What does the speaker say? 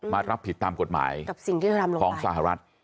มารับผิดตามกฎหมายของสหรัฐ